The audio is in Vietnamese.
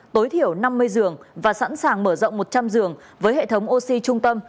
tối thiểu năm mươi giường và sẵn sàng mở rộng một trăm linh giường với hệ thống oxy trung tâm